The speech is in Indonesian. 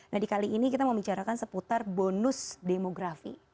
nah di kali ini kita membicarakan seputar bonus demografi